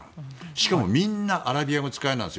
しかもみんなアラビア語使えるんです。